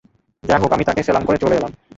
যা হোক, আমি তাকে সেলাম করে চলে এলাম।